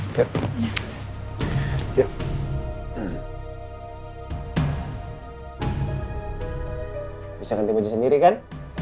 bisa ganti baju sendiri kan